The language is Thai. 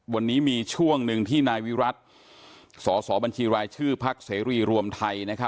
วันนี้มีช่วงหนึ่งที่นายวิรัติสอสอบัญชีรายชื่อพักเสรีรวมไทย